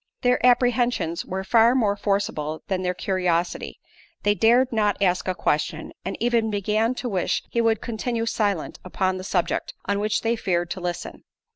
Their apprehensions were far more forcible than their curiosity; they dared not ask a question, and even began to wish he would continue silent upon the subject on which they feared to listen.